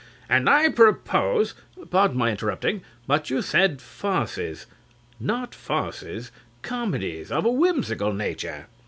And I propose CLIFTON. Pardon my interrupting. But you said farces. Not farces, comedies of a whimsical nature.